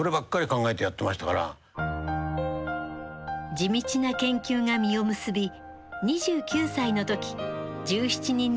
地道な研究が実を結び２９歳の時１７人抜きで真打に昇進。